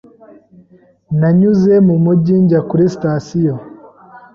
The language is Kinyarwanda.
Nanyuze mu mujyi njya kuri sitasiyo.